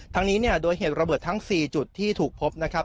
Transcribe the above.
ทั้งนี้เนี่ยโดยเหตุระเบิดทั้ง๔จุดที่ถูกพบนะครับ